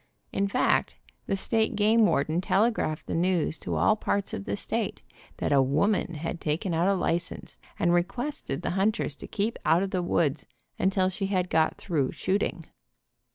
In fact the state game warden telegraphed the news to all parts of the state that a woman had taken out a license, and requested the hunters to keep out of the woods until she had got through shooting.